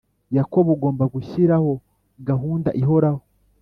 Yakobo Ugomba gushyiraho gahunda ihoraho